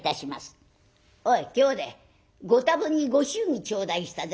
おい兄弟ご多分にご祝儀頂戴したぜ。